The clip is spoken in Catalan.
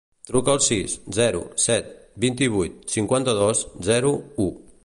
Truca al sis, zero, set, vint-i-vuit, cinquanta-dos, zero, u.